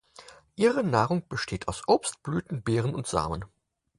Ihre Nahrung besteht aus Obst, Blüten, Beeren und Samen.